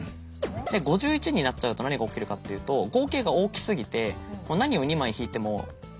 ５１になっちゃうと何が起きるかっていうと合計が大きすぎて何を２枚引いても戻せないんですね。